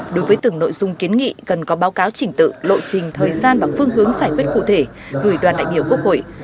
đối với từng nội dung kiến nghị cần có báo cáo chỉnh tự lộ trình thời gian và phương hướng giải quyết cụ thể gửi đoàn đại biểu quốc hội